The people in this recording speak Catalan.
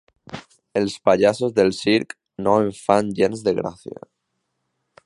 Els pallassos del circ no em fan gens de gràcia.